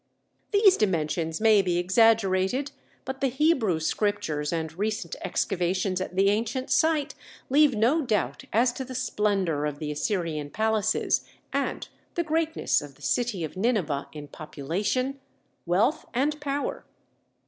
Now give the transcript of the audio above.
These dimensions may be exaggerated, but the Hebrew scriptures and recent excavations at the ancient site leave no doubt as to the splendor of the Assyrian palaces and the greatness of the city of Nineveh in population, wealth, and power.